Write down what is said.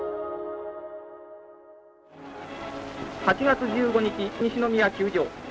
８月１５日西宮球場。